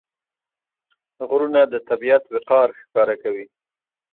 غرونه د طبیعت وقار ښکاره کوي.